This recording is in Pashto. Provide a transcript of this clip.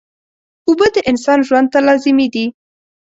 اوبه د انسان ژوند ته لازمي دي